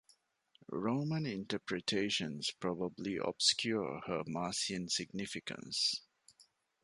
Roman interpretations probably obscure her Marsian significance.